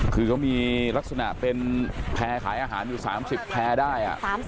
คือเขามีลักษณะเป็นแพร่ขายอาหารอยู่๓๐แพร่ได้